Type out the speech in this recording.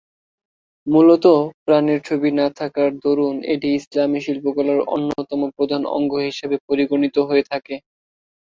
মূলত, প্রাণীর ছবি না থাকার দরুন এটি ইসলামি শিল্পকলার অন্যতম প্রধান অঙ্গ হিসেবে পরিগণিত হয়ে থাকে।